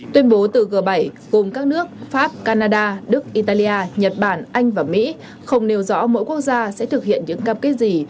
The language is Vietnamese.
tuyên bố từ g bảy gồm các nước pháp canada đức italia nhật bản anh và mỹ không nêu rõ mỗi quốc gia sẽ thực hiện những cam kết gì